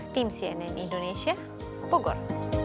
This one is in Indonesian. tim cnn indonesia pogor